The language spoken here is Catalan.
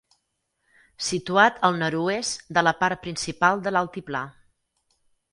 Situat al nord-oest de la part principal de l'altiplà.